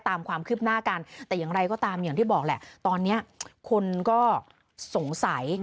ตามความคืบหน้ากันแต่อย่างไรก็ตามอย่างที่บอกแหละตอนนี้คนก็สงสัย